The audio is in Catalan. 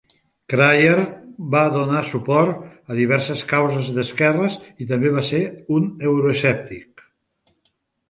Cryer va donar suport a diverses causes d'esquerres i també va ser un euroescèptic.